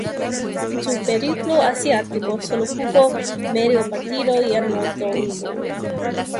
En su periplo asiático solo jugó medio partido y anotó un gol.